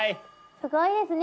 すごいですね